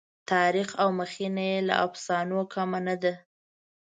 تاریخ او مخینه یې له افسانو کمه نه ده.